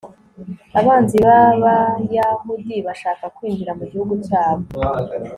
abanzi b'abayahudi bashaka kwinjira mu gihugu cyabo